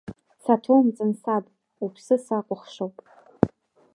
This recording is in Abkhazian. Саҭоумҵан, саб, уԥсы сакәыхшоуп!